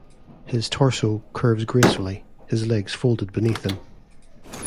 His torso curves gracefully, his legs folded beneath him.